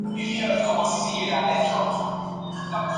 Nació en Puerto Montt, Chile.